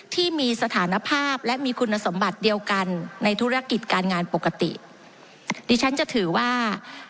ที่มีสถานภาพและมีคุณสมบัติเดียวกันในธุรกิจการงานปกติดิฉันจะถือว่า